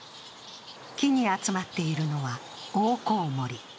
木に集まっているのはオオコウモリ。